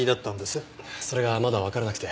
それがまだわからなくて。